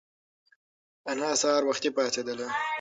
انا سهار وختي پاڅېدله.